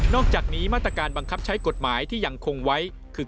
อกจากนี้มาตรการบังคับใช้กฎหมายที่ยังคงไว้คือ